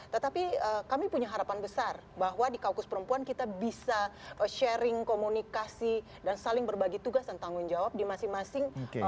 tetapi kami punya harapan besar bahwa di kaukus perempuan kita bisa sharing komunikasi dan saling berbagi tugas dan tanggung jawab di masing masing